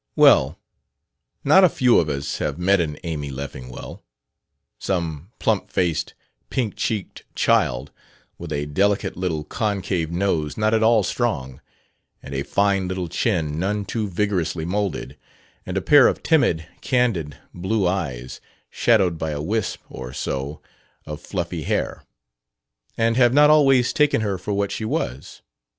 Well, not a few of us have met an Amy Leffingwell: some plump faced, pink cheeked child, with a delicate little concave nose not at all "strong," and a fine little chin none too vigorously moulded, and a pair of timid candid blue eyes shadowed by a wisp or so of fluffy hair and have not always taken her for what she was.